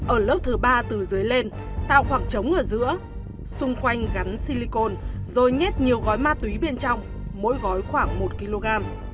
ở lớp thứ ba từ dưới lên tạo khoảng trống ở giữa xung quanh gắn silicon rồi nhét nhiều gói ma túy bên trong mỗi gói khoảng một kg